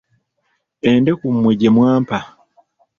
Endeku mmwe gye mwampa!